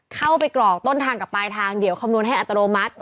กรอกต้นทางกับปลายทางเดี๋ยวคำนวณให้อัตโนมัติ